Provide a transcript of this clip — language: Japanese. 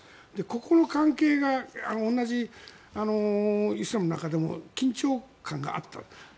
ここの関係が同じイスラムの中でも緊張感があった。